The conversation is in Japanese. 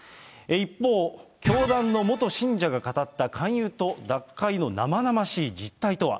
一方、教団の元信者が語った、勧誘と脱会の生々しい実態とは。